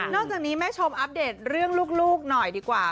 จากนี้แม่ชมอัปเดตเรื่องลูกหน่อยดีกว่า